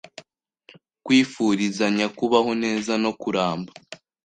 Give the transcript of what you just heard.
Kwifurizanya kubaho neza no kuramba